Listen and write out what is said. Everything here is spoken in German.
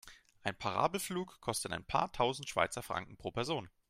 Ein Parabelflug kostet ein paar tausend Schweizer Franken pro Person.